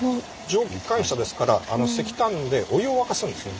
蒸気機関車ですから石炭でお湯を沸かすんですね。